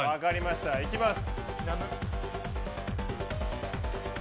いきます。